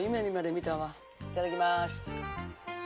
いただきます。